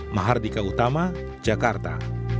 mahardika utama jakarta